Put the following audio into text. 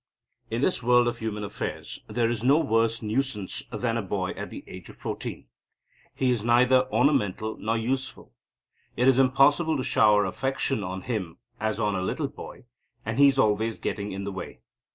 In this world of human affairs there is no worse nuisance than a boy at the age of fourteen. He is neither ornamental, nor useful. It is impossible to shower affection on him as on a little boy; and he is always getting in the way.